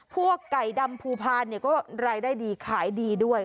พวกไก่ดำภูพาลก็รายได้ดีขายดีด้วย